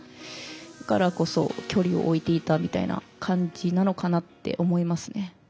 だからこそ距離を置いていたみたいな感じなのかなって思いますね。